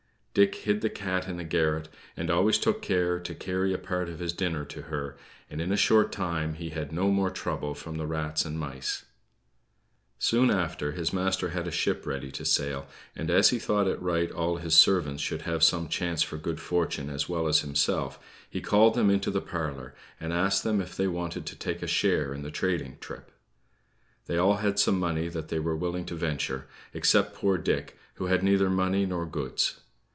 Dick hid the cat in the garret, and always took care to carry a part of his dinner to her; and in a short time he had no more trouble from the rats and mice. Soon after, his master had a ship ready to sail; and as he thought it right all his servants should have some chance for good fortune as well as himself, he called them into the parlor, and asked them if they wanted to take a share in the trading trip. They all had some money that they were willing to venture, except poor Dick, who had neither money nor goods.